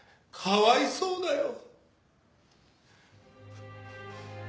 かわいそうだよ。